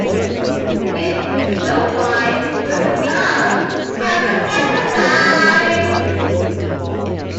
Good food, good wine, good cigars and some exercise!